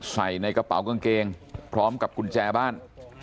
ในกระเป๋ากางเกงพร้อมกับกุญแจบ้าน